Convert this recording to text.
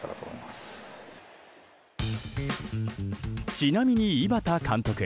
ちなみに井端監督